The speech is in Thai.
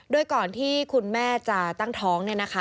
โดยก่อนที่คุณแม่จะตั้งท้อง